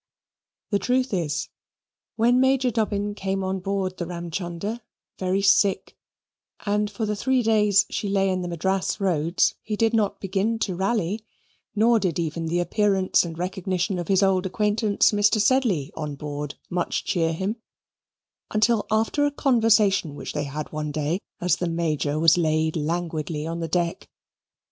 The truth is, when Major Dobbin came on board the Ramchumder, very sick, and for the three days she lay in the Madras Roads, he did not begin to rally, nor did even the appearance and recognition of his old acquaintance, Mr. Sedley, on board much cheer him, until after a conversation which they had one day, as the Major was laid languidly on the deck.